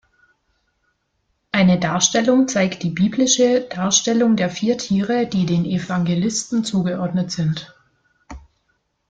Eine Darstellung zeigt die biblische Darstellung der vier Tiere, die den Evangelisten zugeordnet sind.